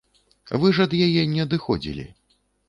Вы ж ад яе не адыходзілі.